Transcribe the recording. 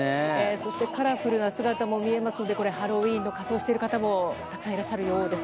そしてカラフルな姿も見えますんで、これ、ハロウィーンの仮装をしている方もたくさんいらっしゃるようです